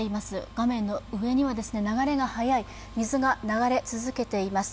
画面の上には流れが速い水が流れ続けています。